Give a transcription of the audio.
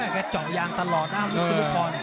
กระเจาะยางตลอดนะอาวุธสุดพอเนี่ย